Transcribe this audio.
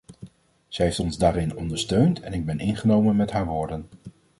Zij heeft ons daarin ondersteund en ik ben ingenomen met haar woorden.